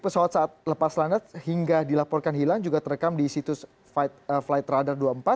pesawat saat lepas landas hingga dilaporkan hilang juga terekam di situs flight radar dua puluh empat